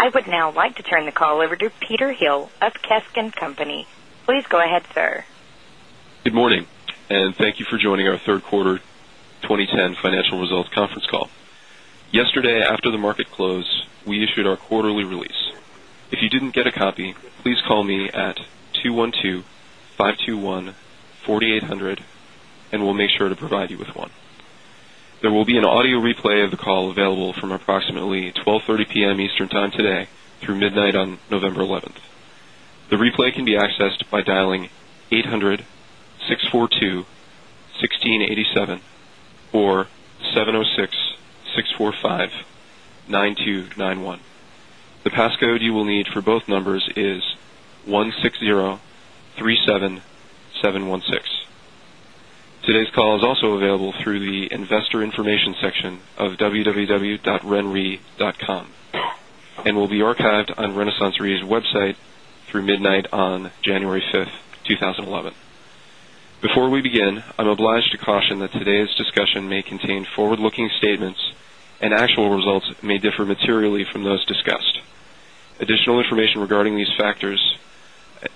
I would now like to turn the call over to Peter Hill of Kekst and Company. Please go ahead, sir. Good morning. Thank you for joining our third quarter 2010 financial results conference call. Yesterday, after the market closed, we issued our quarterly release. If you didn't get a copy, please call me at 212-521-4800, and we'll make sure to provide you with one. There will be an audio replay of the call available from approximately 12:30 P.M. Eastern Time today through midnight on November 11th. The replay can be accessed by dialing 800-642-1687 or 706-645-9291. The passcode you will need for both numbers is 16037716. Today's call is also available through the investor information section of www.renre.com and will be archived on RenaissanceRe's website through midnight on January 5th, 2011. Before we begin, I'm obliged to caution that today's discussion may contain forward-looking statements and actual results may differ materially from those discussed. Additional information regarding these factors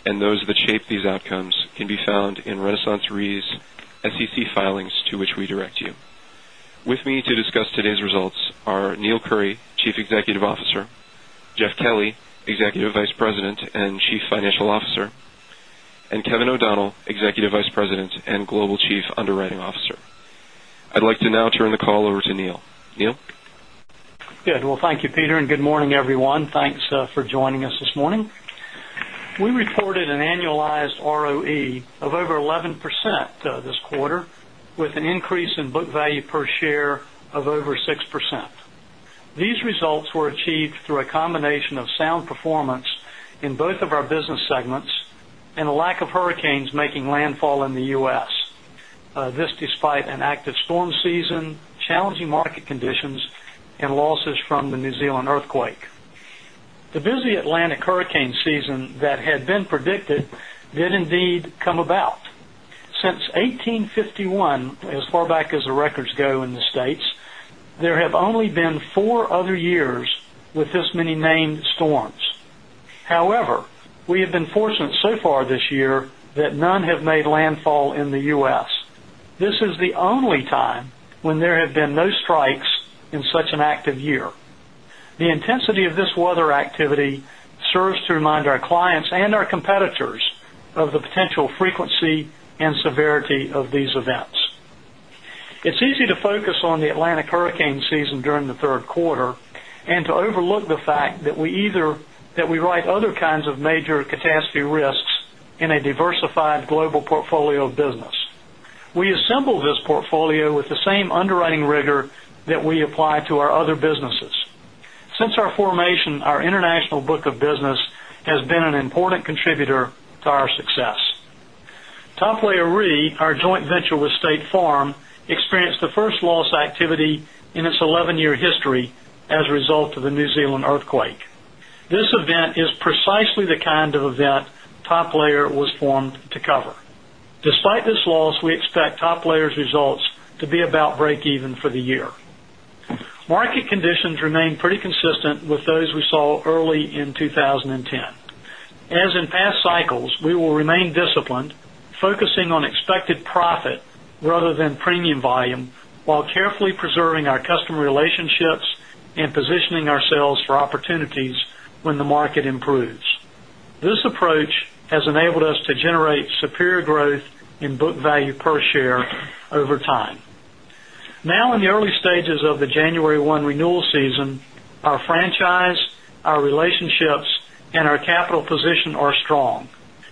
and those that shape these outcomes can be found in RenaissanceRe's SEC filings to which we direct you. With me to discuss today's results are Neill Currie, Chief Executive Officer, Jeff Kelly, Executive Vice President and Chief Financial Officer, and Kevin O'Donnell, Executive Vice President and Global Chief Underwriting Officer. I'd like to now turn the call over to Neill. Neill? Good. Well, thank you, Peter. Good morning, everyone. Thanks for joining us this morning. We reported an annualized ROE of over 11% this quarter, with an increase in book value per share of over 6%. These results were achieved through a combination of sound performance in both of our business segments and a lack of hurricanes making landfall in the U.S. This, despite an active storm season, challenging market conditions, and losses from the New Zealand earthquake. The busy Atlantic hurricane season that had been predicted did indeed come about. Since 1851, as far back as the records go in the States, there have only been four other years with this many named storms. However, we have been fortunate so far this year that none have made landfall in the U.S. This is the only time when there have been no strikes in such an active year. The intensity of this weather activity serves to remind our clients and our competitors of the potential frequency and severity of these events. It's easy to focus on the Atlantic hurricane season during the third quarter and to overlook the fact that we write other kinds of major catastrophe risks in a diversified global portfolio of business. We assembled this portfolio with the same underwriting rigor that we apply to our other businesses. Since our formation, our international book of business has been an important contributor to our success. Top Layer Re, our joint venture with State Farm, experienced the first loss activity in its 11-year history as a result of the New Zealand earthquake. This event is precisely the kind of event Top Layer was formed to cover. Despite this loss, we expect Top Layer's results to be about breakeven for the year. Market conditions remain pretty consistent with those we saw early in 2010. As in past cycles, we will remain disciplined, focusing on expected profit rather than premium volume, while carefully preserving our customer relationships and positioning ourselves for opportunities when the market improves. This approach has enabled us to generate superior growth in book value per share over time. Now in the early stages of the January 1 renewal season, our franchise, our relationships, and our capital position are strong.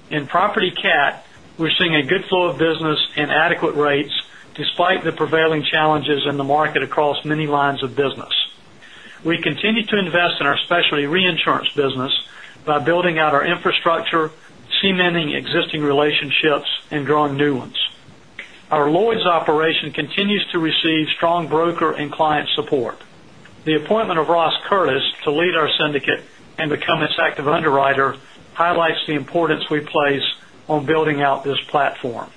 In property cat, we're seeing a good flow of business and adequate rates, despite the prevailing challenges in the market across many lines of business. We continue to invest in our specialty reinsurance business by building out our infrastructure, cementing existing relationships, and drawing new ones. Our Lloyd's operation continues to receive strong broker and client support. The appointment of Ross Curtis to lead our syndicate and become its active underwriter highlights the importance we place on building out this platform.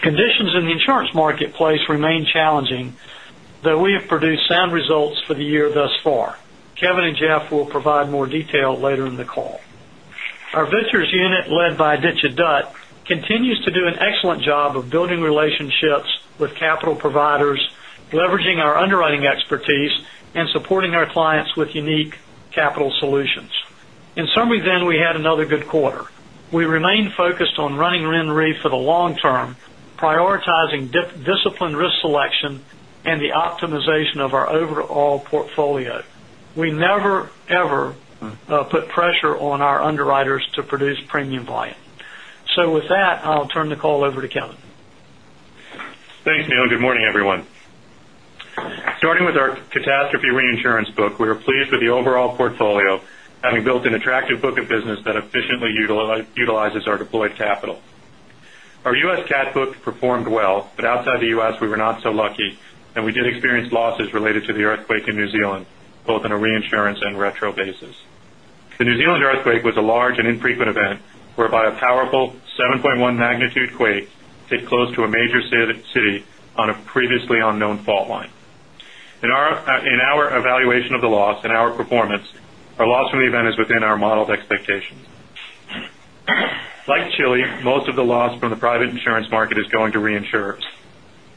Conditions in the insurance marketplace remain challenging, though we have produced sound results for the year thus far. Kevin and Jeff will provide more detail later in the call. Our ventures unit, led by Aditya Dutt, continues to do an excellent job of building relationships with capital providers, leveraging our underwriting expertise, and supporting our clients with unique capital solutions. In summary, then, we had another good quarter. We remain focused on running RenRe for the long term, prioritizing disciplined risk selection and the optimization of our overall portfolio. We never, ever put pressure on our underwriters to produce premium volume. With that, I'll turn the call over to Kevin. Thanks, Neill, and good morning, everyone. Starting with our catastrophe reinsurance book, we are pleased with the overall portfolio, having built an attractive book of business that efficiently utilizes our deployed capital. Our U.S. cat book performed well, but outside the U.S., we were not so lucky, and we did experience losses related to the earthquake in New Zealand, both on a reinsurance and retro basis. The New Zealand earthquake was a large and infrequent event whereby a powerful 7.1 magnitude quake hit close to a major city on a previously unknown fault line. In our evaluation of the loss and our performance, our loss from the event is within our modeled expectations. Like Chile, most of the loss from the private insurance market is going to reinsurers.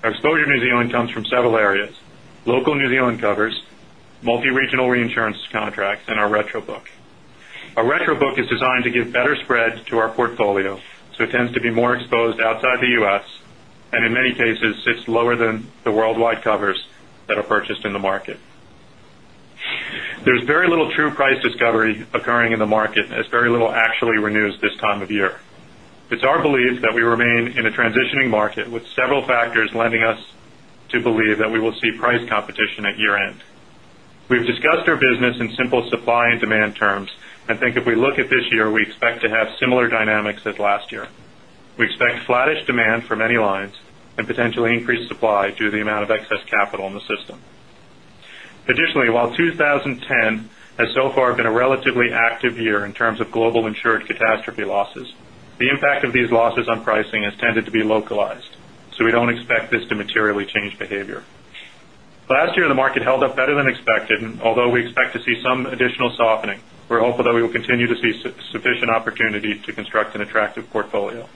Our exposure to New Zealand comes from several areas, local New Zealand covers, multi-regional reinsurance contracts, and our retro book. Our retro book is designed to give better spreads to our portfolio, so it tends to be more exposed outside the U.S., and in many cases, sits lower than the worldwide covers that are purchased in the market. There's very little true price discovery occurring in the market as very little actually renews this time of year. It's our belief that we remain in a transitioning market with several factors lending us to believe that we will see price competition at year-end. We've discussed our business in simple supply and demand terms, and think if we look at this year, we expect to have similar dynamics as last year. We expect flattish demand for many lines and potentially increased supply due to the amount of excess capital in the system. Additionally, while 2010 has so far been a relatively active year in terms of global insured catastrophe losses, the impact of these losses on pricing has tended to be localized, so we don't expect this to materially change behavior. Last year, the market held up better than expected, although we expect to see some additional softening. We're hopeful that we will continue to see sufficient opportunities to construct an attractive portfolio.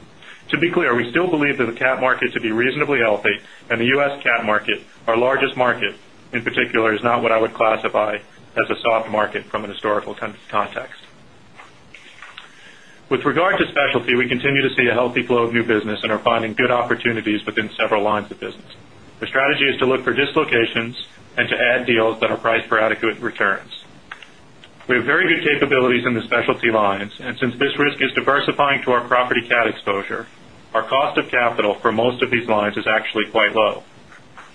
To be clear, we still believe that the cat market to be reasonably healthy and the U.S. cat market, our largest market in particular, is not what I would classify as a soft market from an historical context. With regard to specialty, we continue to see a healthy flow of new business and are finding good opportunities within several lines of business. The strategy is to look for dislocations and to add deals that are priced for adequate returns. We have very good capabilities in the specialty lines, and since this risk is diversifying to our property cat exposure, our cost of capital for most of these lines is actually quite low.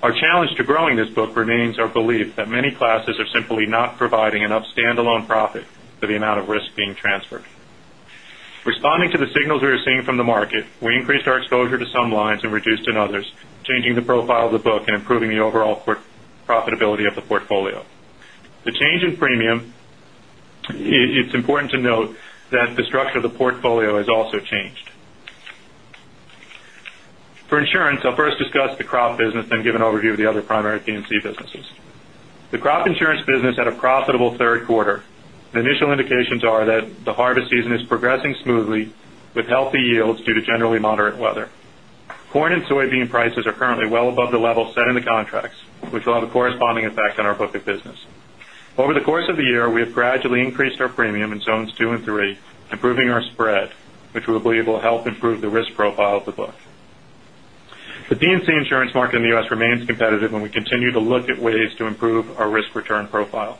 Our challenge to growing this book remains our belief that many classes are simply not providing enough standalone profit for the amount of risk being transferred. Responding to the signals we are seeing from the market, we increased our exposure to some lines and reduced in others, changing the profile of the book and improving the overall profitability of the portfolio. The change in premium, it's important to note that the structure of the portfolio has also changed. For insurance, I'll first discuss the crop business, then give an overview of the other primary P&C businesses. The crop insurance business had a profitable third quarter, and initial indications are that the harvest season is progressing smoothly with healthy yields due to generally moderate weather. Corn and soybean prices are currently well above the level set in the contracts, which will have a corresponding effect on our book of business. Over the course of the year, we have gradually increased our premium in zones 2 and 3, improving our spread, which we believe will help improve the risk profile of the book. The P&C insurance market in the U.S. remains competitive, and we continue to look at ways to improve our risk-return profile.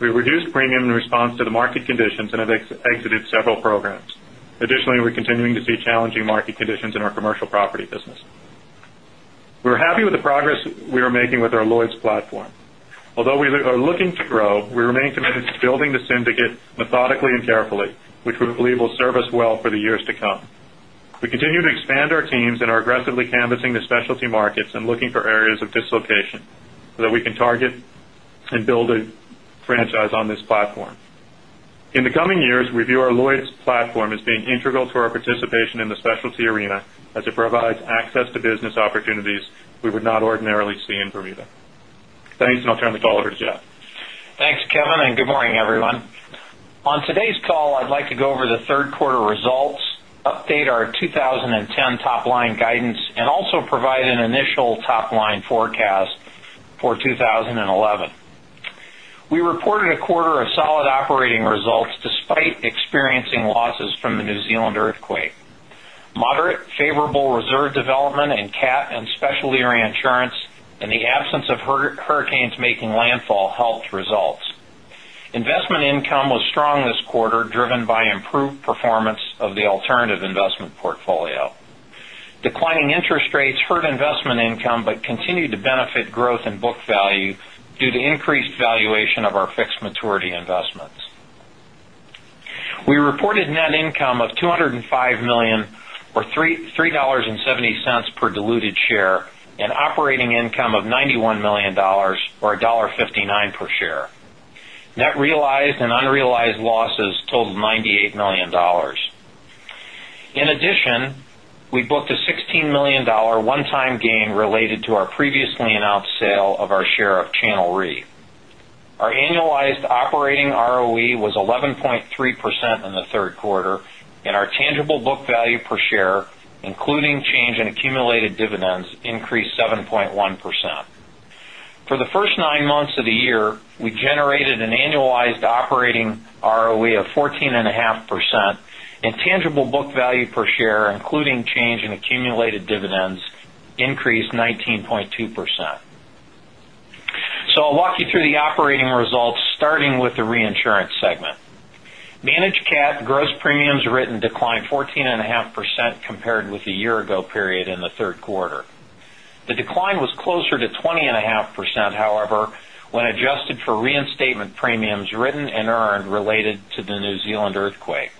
We reduced premium in response to the market conditions and have exited several programs. Additionally, we're continuing to see challenging market conditions in our commercial property business. We're happy with the progress we are making with our Lloyd's platform. Although we are looking to grow, we remain committed to building the syndicate methodically and carefully, which we believe will serve us well for the years to come. We continue to expand our teams and are aggressively canvassing the specialty markets and looking for areas of dislocation, so that we can target and build a franchise on this platform. In the coming years, we view our Lloyd's platform as being integral to our participation in the specialty arena as it provides access to business opportunities we would not ordinarily see in Bermuda. Thanks, and I'll turn the call over to Jeff. Thanks, Kevin, and good morning, everyone. On today's call, I'd like to go over the third quarter results, update our 2010 top-line guidance, and also provide an initial top-line forecast for 2011. We reported a quarter of solid operating results despite experiencing losses from the New Zealand earthquake. Moderate favorable reserve development in cat and specialty reinsurance, and the absence of hurricanes making landfall helped results. Investment income was strong this quarter, driven by improved performance of the alternative investment portfolio. Declining interest rates hurt investment income but continued to benefit growth in book value due to increased valuation of our fixed maturity investments. We reported net income of $205 million or $3.70 per diluted share and operating income of $91 million or $1.59 per share. Net realized and unrealized losses totaled $98 million. In addition, we booked a $16 million one-time gain related to our previously announced sale of our share of Channel Re. Our annualized operating ROE was 11.3% in the third quarter, and our tangible book value per share, including change in accumulated dividends, increased 7.1%. For the first nine months of the year, we generated an annualized operating ROE of 14.5%, and tangible book value per share, including change in accumulated dividends, increased 19.2%. I'll walk you through the operating results, starting with the reinsurance segment. Managed Cat gross premiums written declined 14.5% compared with the year ago period in the third quarter. The decline was closer to 20.5%, however, when adjusted for reinstatement premiums written and earned related to the New Zealand earthquake.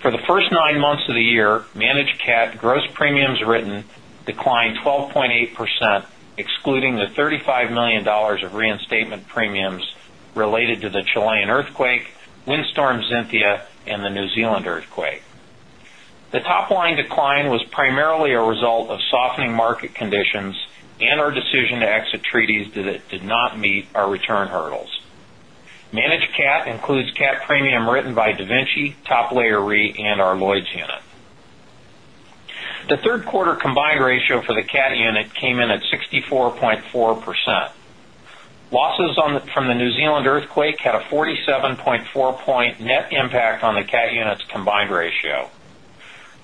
For the first nine months of the year, Managed Cat gross premiums written declined 12.8%, excluding the $35 million of reinstatement premiums related to the Chilean earthquake, Windstorm Xynthia, and the New Zealand earthquake. The top-line decline was primarily a result of softening market conditions and our decision to exit treaties that did not meet our return hurdles. Managed Cat includes cat premium written by DaVinci, Top Layer Re, and our Lloyd's unit. The third quarter combined ratio for the Cat unit came in at 64.4%. Losses from the New Zealand earthquake had a 47.4 point net impact on the Cat unit's combined ratio.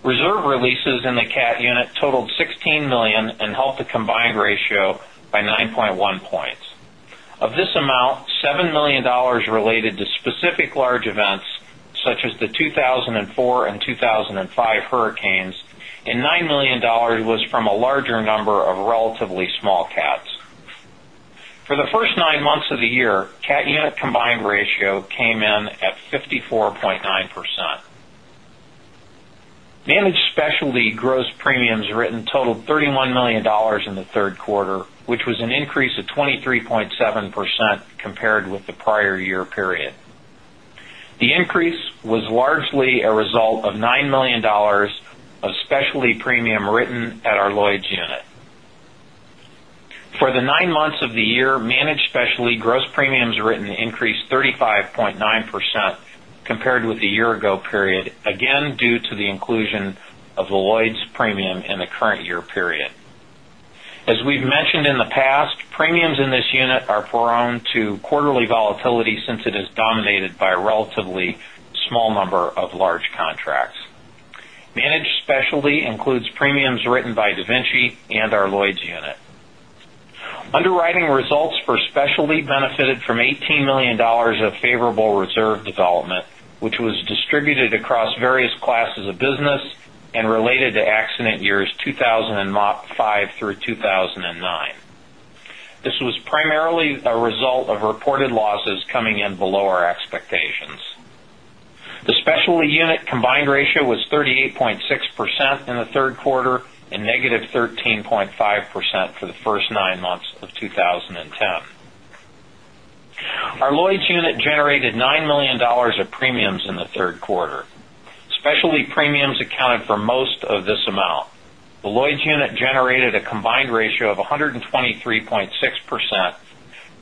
Reserve releases in the Cat unit totaled $16 million and helped the combined ratio by 9.1 points. Of this amount, $7 million related to specific large events such as the 2004 and 2005 hurricanes, and $9 million was from a larger number of relatively small cats. For the first nine months of the year, Cat unit combined ratio came in at 54.9%. Managed Specialty gross premiums written totaled $31 million in the third quarter, which was an increase of 23.7% compared with the prior year period. The increase was largely a result of $9 million of specialty premium written at our Lloyd's unit. For the nine months of the year, Managed Specialty gross premiums written increased 35.9% compared with the year ago period, again due to the inclusion of the Lloyd's premium in the current year period. As we've mentioned in the past, premiums in this unit are prone to quarterly volatility since it is dominated by a relatively small number of large contracts. Managed Specialty includes premiums written by DaVinci and our Lloyd's unit. Underwriting results for Specialty benefited from $18 million of favorable reserve development, which was distributed across various classes of business and related to accident years 2005 through 2009. This was primarily a result of reported losses coming in below our expectations. The Specialty unit combined ratio was 38.6% in the third quarter and negative 13.5% for the first nine months of 2010. Our Lloyd's unit generated $9 million of premiums in the third quarter. Specialty premiums accounted for most of this amount. The Lloyd's unit generated a combined ratio of 123.6%,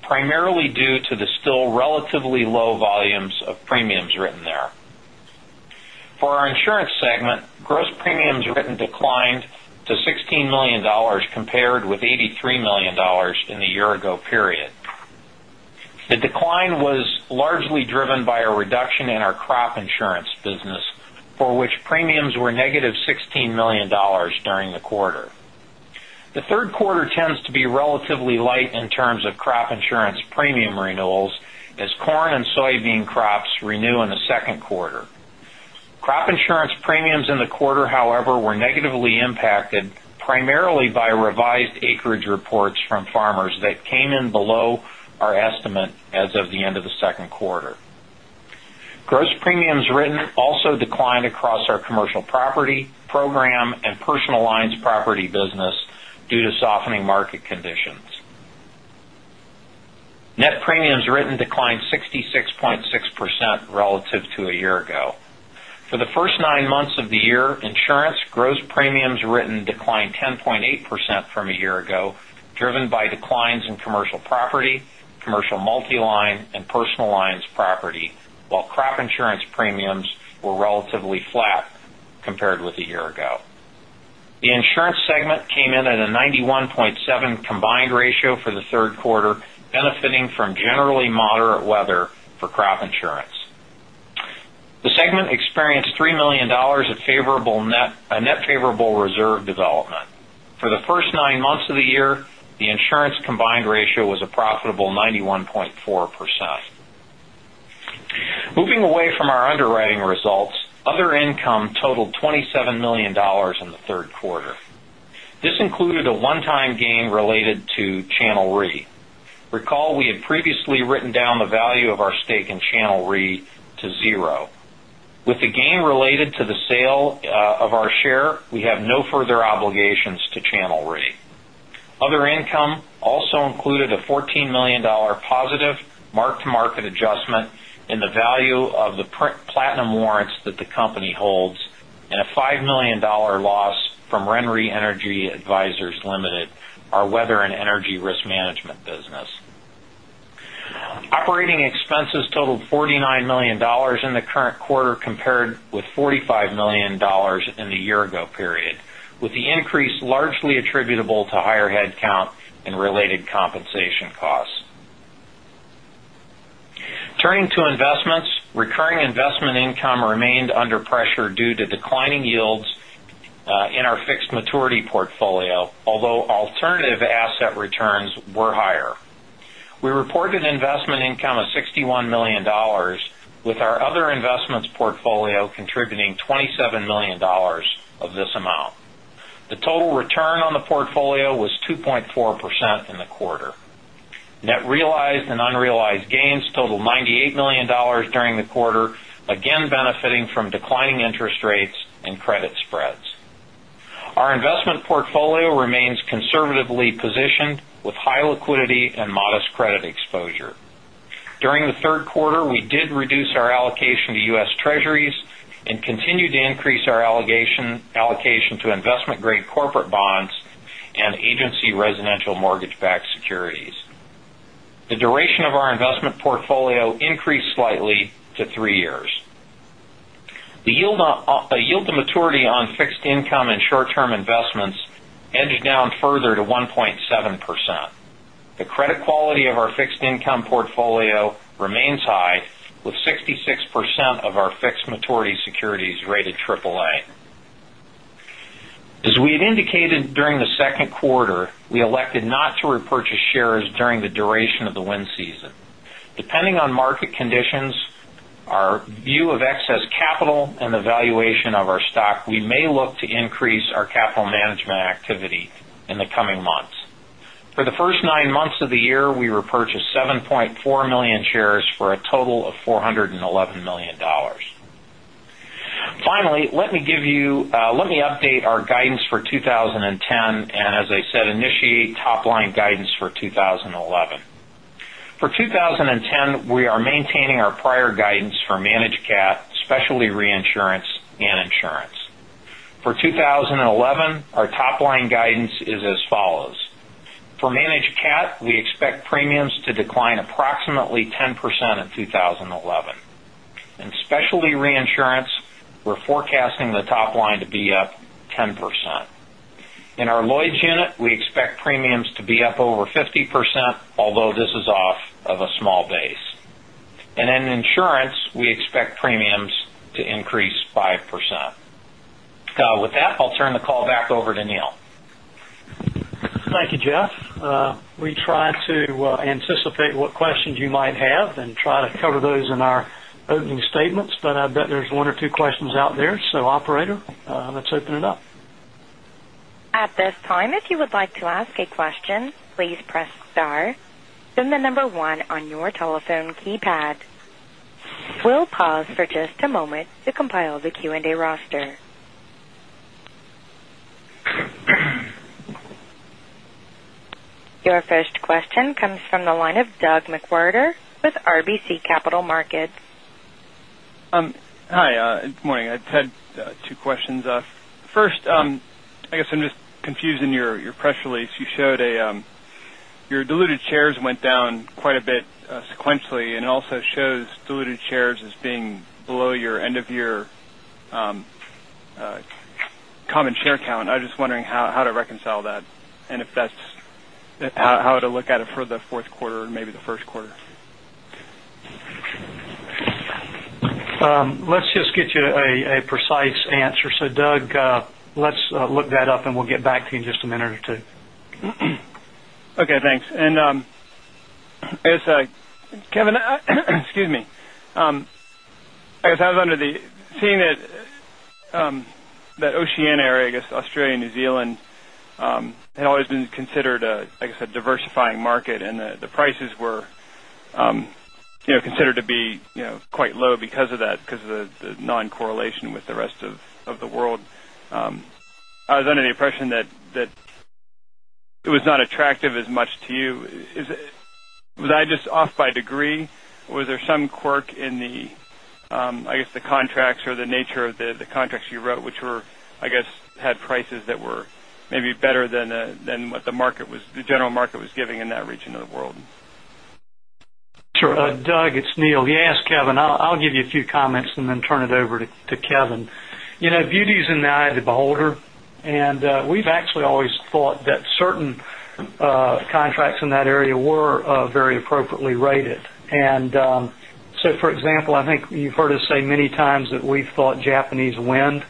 primarily due to the still relatively low volumes of premiums written there. For our insurance segment, gross premiums written declined to $16 million compared with $83 million in the year ago period. The decline was largely driven by a reduction in our crop insurance business, for which premiums were negative $16 million during the quarter. The third quarter tends to be relatively light in terms of crop insurance premium renewals as corn and soybean crops renew in the second quarter. Crop insurance premiums in the quarter, however, were negatively impacted primarily by revised acreage reports from farmers that came in below our estimate as of the end of the second quarter. Gross premiums written also declined across our commercial property program and personal lines property business due to softening market conditions. Net premiums written declined 66.6% relative to a year ago. For the first nine months of the year, insurance gross premiums written declined 10.8% from a year ago, driven by declines in commercial property, commercial multi-line, and personal lines property, while crop insurance premiums were relatively flat compared with a year ago. The insurance segment came in at a 91.7 combined ratio for the third quarter, benefiting from generally moderate weather for crop insurance. The segment experienced $3 million of a net favorable reserve development. For the first nine months of the year, the insurance combined ratio was a profitable 91.4%. Moving away from our underwriting results, other income totaled $27 million in the third quarter. This included a one-time gain related to Channel Re. Recall, we had previously written down the value of our stake in Channel Re to zero. With the gain related to the sale of our share, we have no further obligations to Channel Re. Other income also included a $14 million positive mark-to-market adjustment in the value of the platinum warrants that the company holds and a $5 million loss from RenRe Energy Advisors Limited, our weather and energy risk management business. Operating expenses totaled $49 million in the current quarter, compared with $45 million in the year-ago period, with the increase largely attributable to higher headcount and related compensation costs. Turning to investments, recurring investment income remained under pressure due to declining yields in our fixed maturity portfolio, although alternative asset returns were higher. We reported investment income of $61 million with our other investments portfolio contributing $27 million of this amount. The total return on the portfolio was 2.4% in the quarter. Net realized and unrealized gains totaled $98 million during the quarter, again benefiting from declining interest rates and credit spreads. Our investment portfolio remains conservatively positioned with high liquidity and modest credit exposure. During the third quarter, we did reduce our allocation to U.S. Treasuries and continued to increase our allocation to investment-grade corporate bonds and agency residential mortgage-backed securities. The duration of our investment portfolio increased slightly to three years. The yield to maturity on fixed income and short-term investments edged down further to 1.7%. The credit quality of our fixed income portfolio remains high, with 66% of our fixed maturity securities rated AAA. As we had indicated during the second quarter, we elected not to repurchase shares during the duration of the wind season. Depending on market conditions, our view of excess capital, and the valuation of our stock, we may look to increase our capital management activity in the coming months. For the first nine months of the year, we repurchased 7.4 million shares for a total of $411 million. Let me update our guidance for 2010 and, as I said, initiate top-line guidance for 2011. For 2010, we are maintaining our prior guidance for Managed Cat, Specialty Reinsurance, and Insurance. For 2011, our top-line guidance is as follows. For Managed Cat, we expect premiums to decline approximately 10% in 2011. In Specialty Reinsurance, we're forecasting the top line to be up 10%. In our Lloyd's unit, we expect premiums to be up over 50%, although this is off of a small base. In Insurance, we expect premiums to increase 5%. With that, I'll turn the call back over to Neill. Thank you, Jeff. We try to anticipate what questions you might have and try to cover those in our opening statements, I bet there's one or two questions out there. Operator, let's open it up. At this time, if you would like to ask a question, please press star then the number 1 on your telephone keypad. We'll pause for just a moment to compile the Q&A roster. Your first question comes from the line of Doug McWhirter with RBC Capital Markets. Hi, good morning. I had two questions. First, I guess I'm just confused. In your press release, you showed your diluted shares went down quite a bit sequentially, and it also shows diluted shares as being below your end-of-year common share count. I was just wondering how to reconcile that and how to look at it for the fourth quarter and maybe the first quarter. Let's just get you a precise answer. Doug, let's look that up, and we'll get back to you in just a minute or two. Okay, thanks. Kevin, excuse me. I guess I was under the impression that Oceania area, I guess Australia and New Zealand, had always been considered a, like I said, diversifying market, and the prices were considered to be quite low because of that, because of the non-correlation with the rest of the world. I was under the impression that it was not attractive as much to you. Was I just off by degree, or was there some quirk in the contracts or the nature of the contracts you wrote, which had prices that were maybe better than what the general market was giving in that region of the world? Sure. Doug, it's Neill. Yes, Kevin, I'll give you a few comments and then turn it over to Kevin. Beauty is in the eye of the beholder, we've actually always thought that certain contracts in that area were very appropriately rated. For example, I think you've heard us say many times that we thought Japanese wind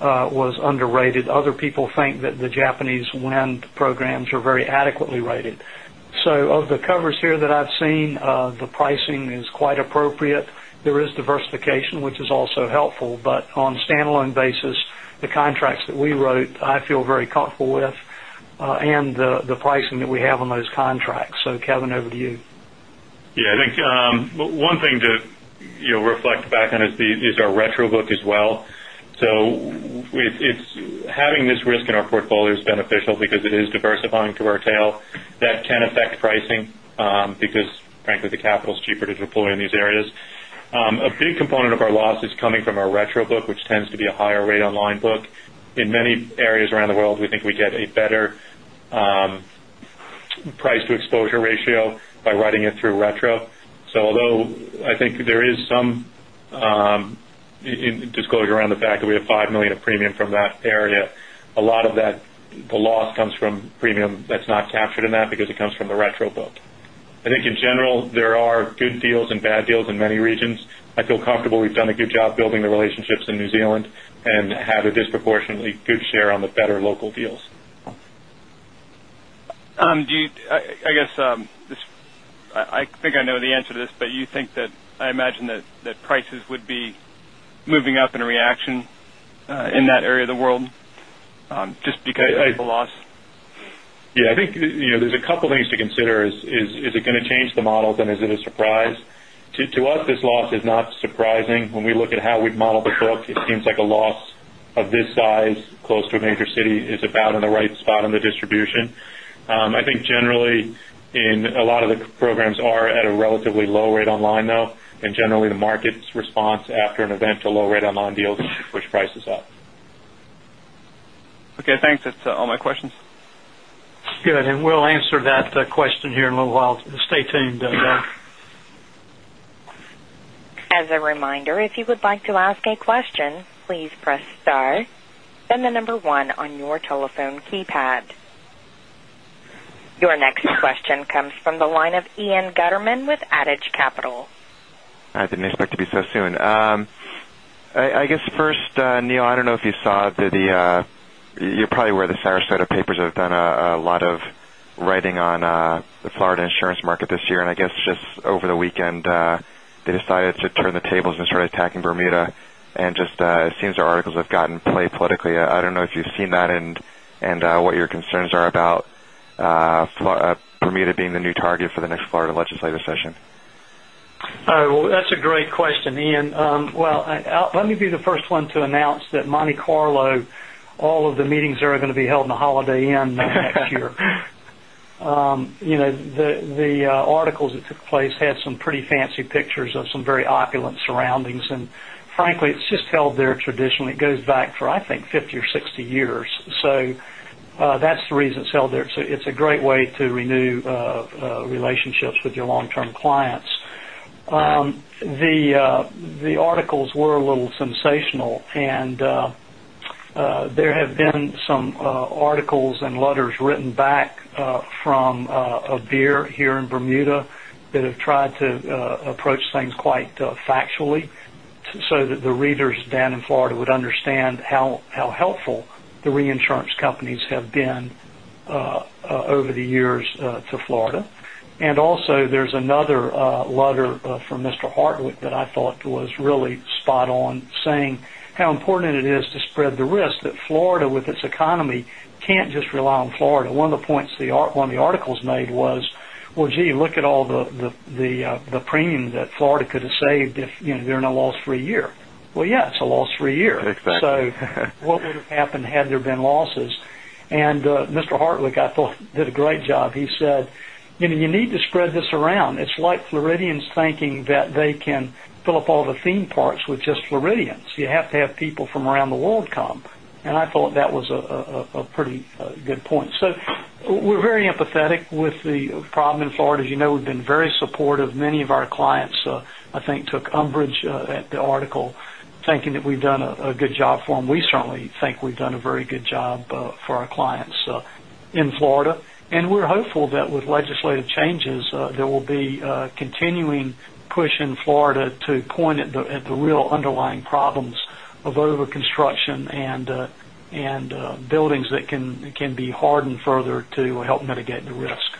was underrated. Other people think that the Japanese wind programs are very adequately rated. Of the covers here that I've seen, the pricing is quite appropriate. There is diversification, which is also helpful. On a standalone basis, the contracts that we wrote, I feel very comfortable with and the pricing that we have on those contracts. Kevin, over to you. I think one thing to reflect back on is our retro book as well. Having this risk in our portfolio is beneficial because it is diversifying to our tail. That can affect pricing because frankly, the capital is cheaper to deploy in these areas. A big component of our loss is coming from our retro book, which tends to be a higher rate on line book. In many areas around the world, we think we get a better price-to-exposure ratio by writing it through retro. Although I think there is some disclosure around the fact that we have $5 million of premium from that area, a lot of the loss comes from premium that's not captured in that because it comes from the retro book. I think in general, there are good deals and bad deals in many regions. I feel comfortable we've done a good job building the relationships in New Zealand and have a disproportionately good share on the better local deals. I think I know the answer to this, I imagine that prices would be moving up in reaction in that area of the world? Just because of the loss? I think there's a couple things to consider. Is it going to change the model, then is it a surprise? To us, this loss is not surprising. When we look at how we'd model the book, it seems like a loss of this size, close to a major city, is about in the right spot on the distribution. I think generally, a lot of the programs are at a relatively low rate online now, and generally, the market's response after an event, a low rate online deal should push prices up. Thanks. That's all my questions. Good. We'll answer that question here in a little while. Stay tuned, Doug. As a reminder, if you would like to ask a question, please press star, then the number 1 on your telephone keypad. Your next question comes from the line of Ian Gutterman with Adage Capital. I didn't expect it to be so soon. I guess first, Neill, I don't know if you saw. You're probably aware the Sarasota papers have done a lot of writing on the Florida insurance market this year. I guess just over the weekend, they decided to turn the tables and start attacking Bermuda. It seems their articles have gotten play politically. I don't know if you've seen that and what your concerns are about Bermuda being the new target for the next Florida legislative session. That's a great question, Ian. Let me be the first one to announce that Monte Carlo, all of the meetings are going to be held in the Holiday Inn next year. The articles that took place had some pretty fancy pictures of some very opulent surroundings. Frankly, it's just held there traditionally. It goes back for, I think, 50 or 60 years. That's the reason it's held there. It's a great way to renew relationships with your long-term clients. The articles were a little sensational. There have been some articles and letters written back from ABIR here in Bermuda that have tried to approach things quite factually so that the readers down in Florida would understand how helpful the reinsurance companies have been over the years to Florida. Also, there's another letter from Mr. Hartwig that I thought was really spot on, saying how important it is to spread the risk that Florida, with its economy, can't just rely on Florida. One of the points one of the articles made was, well, gee, look at all the premium that Florida could have saved if they're in a loss-free year. Yeah, it's a loss-free year. Exactly. What would have happened had there been losses? Mr. Hartwig, I thought, did a great job. He said, "You need to spread this around. It's like Floridians thinking that they can fill up all the theme parks with just Floridians. You have to have people from around the world come." I thought that was a pretty good point. We're very empathetic with the problem in Florida. As you know, we've been very supportive. Many of our clients, I think, took umbrage at the article, thinking that we've done a good job for them. We certainly think we've done a very good job for our clients in Florida, and we're hopeful that with legislative changes, there will be a continuing push in Florida to point at the real underlying problems of overconstruction and buildings that can be hardened further to help mitigate the risk.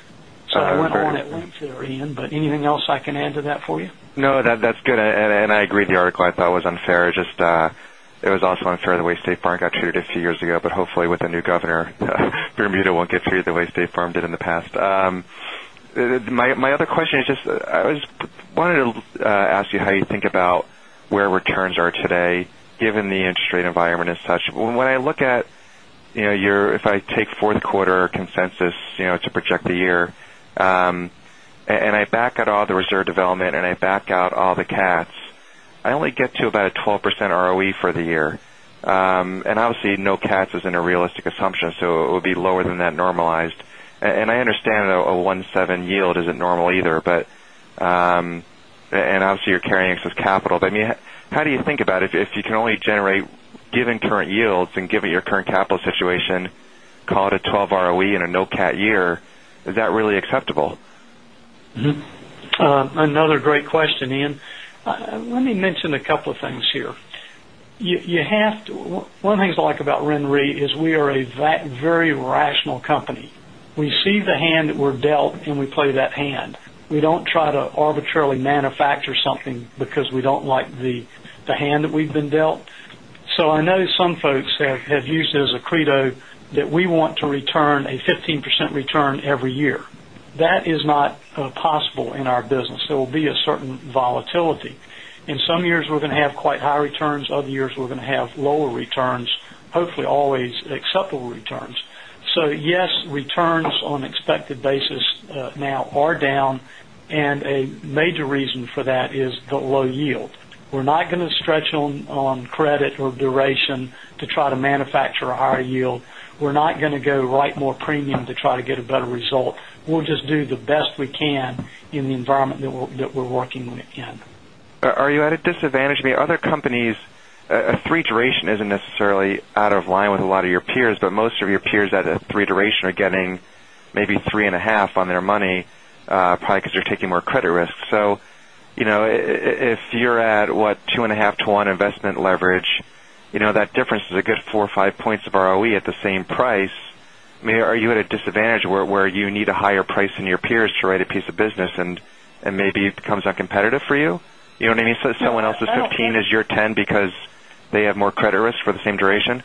I went on at length there, Ian, but anything else I can add to that for you? No, that's good. I agree, the article I thought was unfair. It was also unfair the way State Farm got treated a few years ago, but hopefully with the new governor, Bermuda won't get treated the way State Farm did in the past. My other question is just, I wanted to ask you how you think about where returns are today, given the interest rate environment as such. When I look at your if I take fourth quarter consensus to project the year, I back out all the reserve development, I back out all the cats, I only get to about a 12% ROE for the year. Obviously, no cats isn't a realistic assumption, so it would be lower than that normalized. I understand a 1.7 yield isn't normal either. Obviously, you're carrying excess capital, how do you think about it? If you can only generate given current yields and given your current capital situation, call it a 12 ROE in a no cat year, is that really acceptable? Another great question, Ian. Let me mention a couple of things here. One of the things I like about RenRe is we are a very rational company. We see the hand that we're dealt, and we play that hand. We don't try to arbitrarily manufacture something because we don't like the hand that we've been dealt. I know some folks have used it as a credo that we want to return a 15% return every year. That is not possible in our business. There will be a certain volatility. In some years, we're going to have quite high returns. Other years, we're going to have lower returns, hopefully always acceptable returns. Yes, returns on an expected basis now are down, and a major reason for that is the low yield. We're not going to stretch on credit or duration to try to manufacture a higher yield. We're not going to go write more premium to try to get a better result. We'll just do the best we can in the environment that we're working in. Are you at a disadvantage? Other companies, a 3 duration isn't necessarily out of line with a lot of your peers, but most of your peers at a 3 duration are getting maybe 3.5 on their money, probably because they're taking more credit risk. If you're at, what, 2.5 to 1 investment leverage, that difference is a good 4 or 5 points of ROE at the same price. Are you at a disadvantage where you need a higher price than your peers to write a piece of business, and maybe it becomes uncompetitive for you? You know what I mean? Someone else's 15 is your 10 because they have more credit risk for the same duration?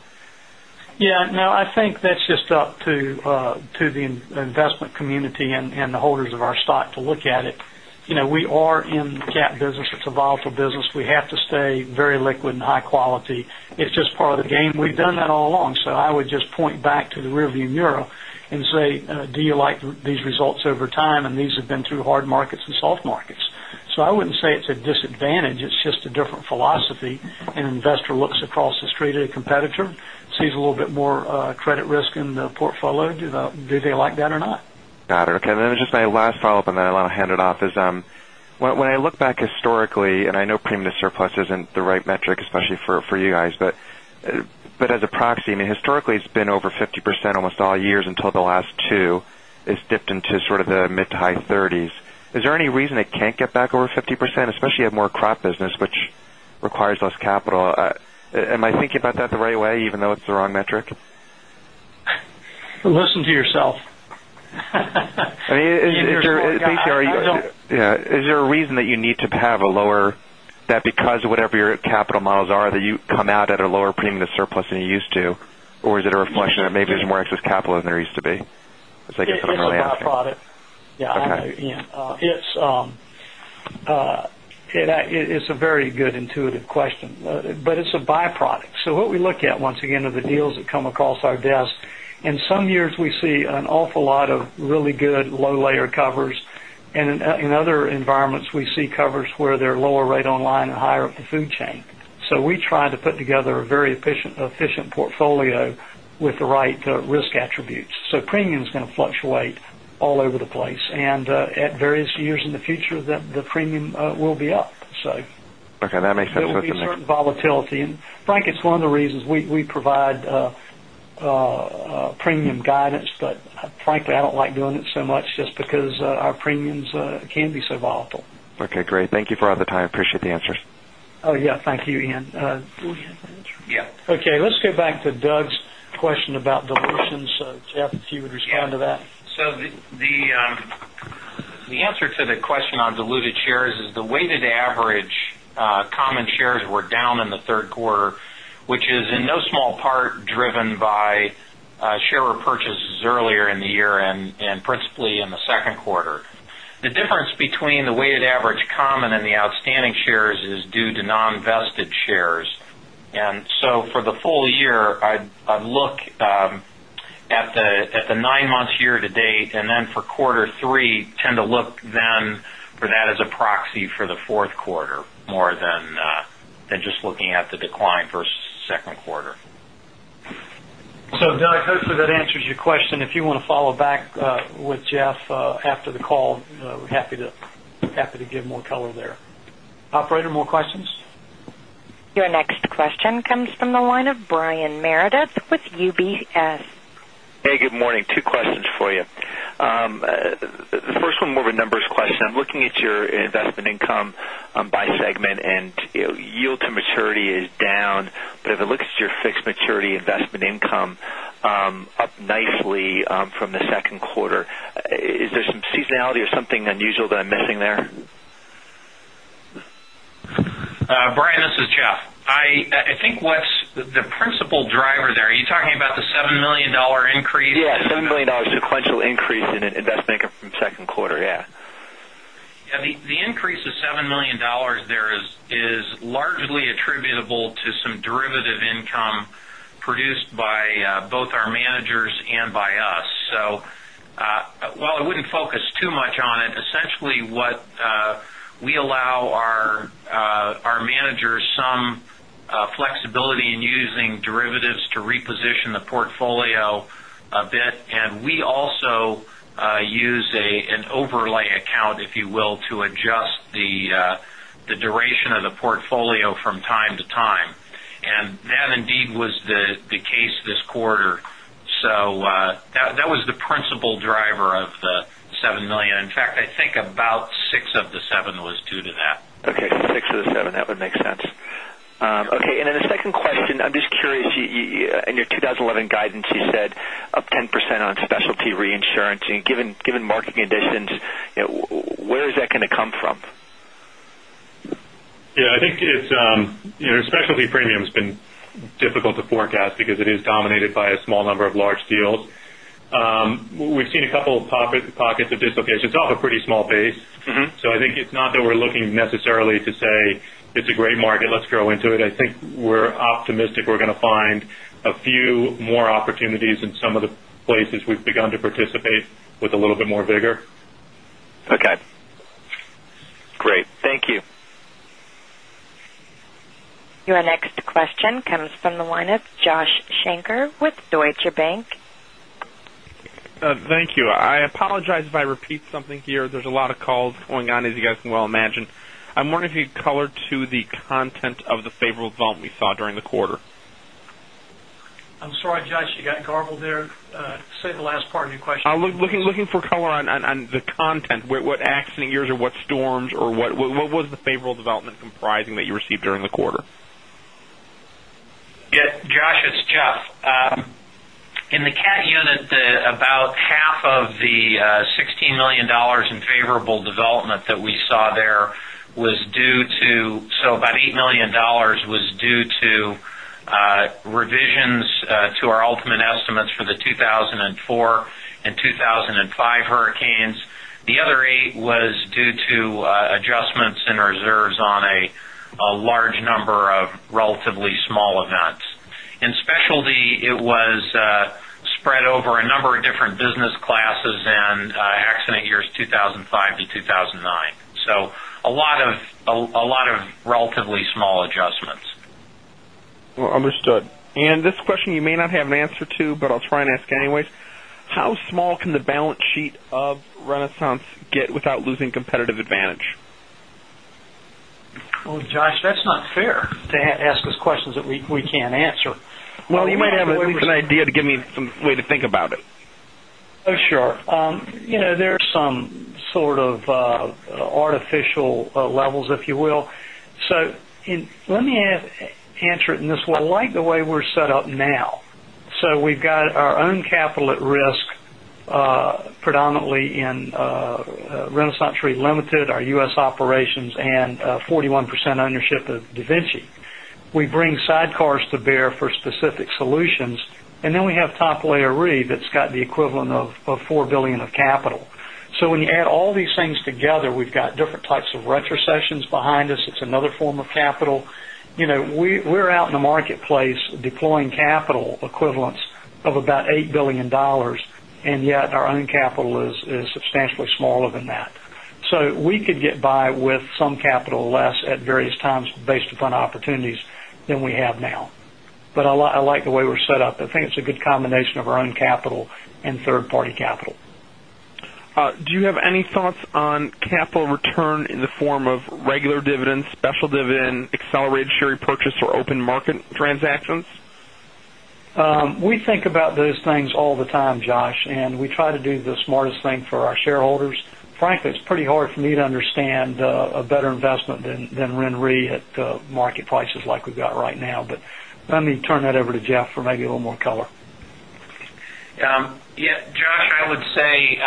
Yeah, no, I think that's just up to the investment community and the holders of our stock to look at it. We are in the cat business. It's a volatile business. We have to stay very liquid and high quality. It's just part of the game. We've done that all along, so I would just point back to the rearview mirror and say, "Do you like these results over time?" These have been through hard markets and soft markets. I wouldn't say it's a disadvantage. It's just a different philosophy. An investor looks across the street at a competitor, sees a little bit more credit risk in the portfolio. Do they like that or not? Got it. Okay, just my last follow-up, and then I want to hand it off, is when I look back historically, and I know premium to surplus isn't the right metric, especially for you guys, but as a proxy, historically, it's been over 50% almost all years until the last two. It's dipped into sort of the mid to high 30s. Is there any reason it can't get back over 50%, especially at more crop business, which requires less capital? Am I thinking about that the right way, even though it's the wrong metric? Listen to yourself. Is there a reason that you need to have a lower, that because of whatever your capital models are, that you come out at a lower premium to surplus than you used to? Or is it a reflection that maybe there's more excess capital than there used to be? It's like I said earlier. It's a byproduct. Yeah. Okay. It's a very good intuitive question. It's a byproduct. What we look at, once again, are the deals that come across our desk. In some years, we see an awful lot of really good low-layer covers, and in other environments, we see covers where they're lower rate on line and higher up the food chain. We try to put together a very efficient portfolio with the right risk attributes. Premium is going to fluctuate all over the place, and at various years in the future, the premium will be up. Okay, that makes sense. There will be a certain volatility. Frankly, it's one of the reasons we provide premium guidance, but frankly, I don't like doing it so much just because our premiums can be so volatile. Okay, great. Thank you for all the time. Appreciate the answers. Oh, yeah. Thank you, Ian. Do we have the answer? Yeah. Let's go back to Doug's question about dilutions. Jeff, if you would respond to that. The answer to the question on diluted shares is the weighted average common shares were down in the third quarter, which is in no small part driven by share repurchases earlier in the year and principally in the second quarter. The difference between the weighted average common and the outstanding shares is due to non-vested shares. For the full year, I'd look at the nine months year to date, and then for quarter three, tend to look then for that as a proxy for the fourth quarter, more than just looking at the decline versus second quarter. Doug, hopefully, that answers your question. If you want to follow back with Jeff after the call, happy to give more color there. Operator, more questions? Your next question comes from the line of Brian Meredith with UBS. Good morning. Two questions for you. The first one, more of a numbers question. I'm looking at your investment income by segment, and yield to maturity is down. If I look at your fixed maturity investment income, up nicely from the second quarter. Is there some seasonality or something unusual that I'm missing there? Brian, this is Jeff. I think what's the principal driver there, are you talking about the $7 million increase? Yeah, $7 million sequential increase in investment income from second quarter. Yeah, the increase of $7 million there is largely attributable to some derivative income produced by both our managers and by us. While I wouldn't focus too much on it, essentially what we allow our managers some flexibility in using derivatives to reposition the portfolio a bit, and we also use an overlay account, if you will, to adjust the duration of the portfolio from time to time. That indeed was the case this quarter. That was the principal driver of the $7 million. In fact, I think about six of the seven was due to that. Okay, six of the seven. That would make sense. Then the second question, I'm just curious. In your 2011 guidance, you said up 10% on specialty reinsurance. Given market conditions, where is that going to come from? Yeah, I think it's, specialty premium has been difficult to forecast because it is dominated by a small number of large deals. We've seen a couple of pockets of dislocation. It's off a pretty small base. I think it's not that we're looking necessarily to say, "It's a great market. Let's grow into it." I think we're optimistic we're going to find a few more opportunities in some of the places we've begun to participate with a little bit more vigor. Okay. Great. Thank you. Your next question comes from the line of Joshua Shanker with Deutsche Bank. Thank you. I apologize if I repeat something here. There's a lot of calls going on, as you guys can well imagine. I'm wondering if you could color to the content of the favorable development we saw during the quarter. I'm sorry, Josh, you got garbled there. Say the last part of your question. Looking for color on the content. What accident years or what storms or what was the favorable development comprising that you received during the quarter? Josh, it's Jeff. In the cat unit, about half of the $16 million in favorable development that we saw there, so about $8 million, was due to revisions to our ultimate estimates for the 2004 and 2005 hurricanes. The other $8 million was due to adjustments in reserves on a large number of relatively small events. In specialty, it was spread over a number of different business classes and accident years 2005 to 2009. A lot of relatively small adjustments. Understood. This question you may not have an answer to, but I'll try and ask anyways. How small can the balance sheet of Renaissance get without losing competitive advantage? Josh, that's not fair to ask us questions that we can't answer. Well, you might have at least an idea to give me some way to think about it. Oh, sure. There are some sort of artificial levels, if you will. Let me answer it in this way. I like the way we're set up now. We've got our own capital at risk predominantly in RenaissanceRe Limited, our U.S. operations, and a 41% ownership of DaVinci. We bring sidecars to bear for specific solutions, and then we have Top Layer Re that's got the equivalent of $4 billion of capital. When you add all these things together, we've got different types of retrocessions behind us. It's another form of capital. We're out in the marketplace deploying capital equivalents of about $8 billion, and yet our own capital is substantially smaller than that. We could get by with some capital less at various times based upon opportunities than we have now. I like the way we're set up. I think it's a good combination of our own capital and third-party capital. Do you have any thoughts on capital return in the form of regular dividends, special dividend, accelerated share repurchase, or open market transactions? We think about those things all the time, Josh, we try to do the smartest thing for our shareholders. Frankly, it's pretty hard for me to understand a better investment than Ren Re at market prices like we've got right now. Let me turn that over to Jeff for maybe a little more color. Yeah. Josh, I would say,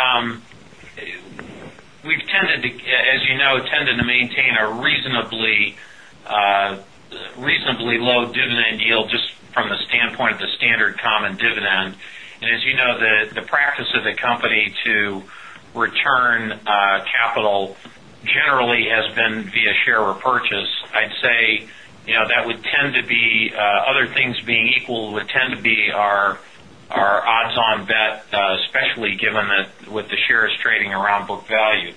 we've, as you know, tended to maintain a reasonably low dividend yield just from the standpoint of the standard common dividend. As you know, the practice of the company to return capital generally has been via share repurchase. I'd say, other things being equal, would tend to be our odds-on bet, especially given that with the shares trading around book value.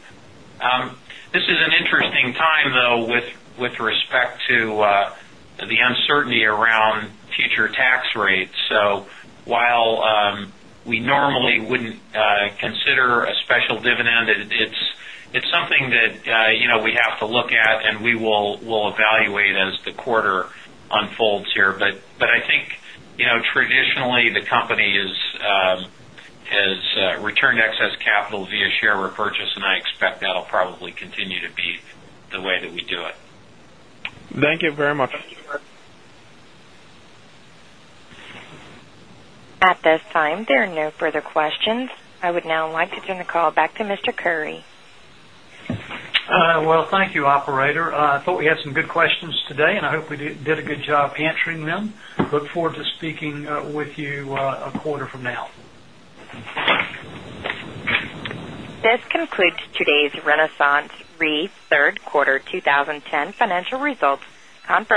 This is an interesting time, though, with respect to the uncertainty around future tax rates. While we normally wouldn't consider a special dividend, it's something that we have to look at, and we will evaluate as the quarter unfolds here. I think traditionally, the company has returned excess capital via share repurchase, and I expect that'll probably continue to be the way that we do it. Thank you very much. At this time, there are no further questions. I would now like to turn the call back to Mr. Currie. Well, thank you, operator. I thought we had some good questions today, I hope we did a good job answering them. Look forward to speaking with you a quarter from now. This concludes today's RenaissanceRe third quarter 2010 financial results conference.